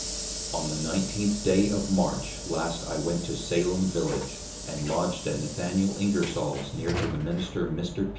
On the Nineteenth day of March last I went to Salem Village, and lodged at Nathaniel Ingersol's near to the Minister Mr. _P.'